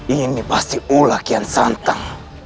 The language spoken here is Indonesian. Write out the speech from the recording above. ini pasti ulakian santan